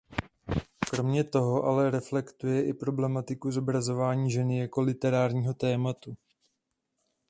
Kromě tohoto ale reflektuje i problematiku zobrazování ženy jako literárního tématu.